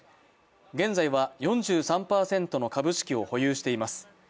現在は４３％の株式を保有しています。